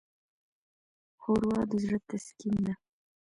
ښوروا د زړه تسکین ده.